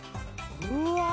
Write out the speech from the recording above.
うわ！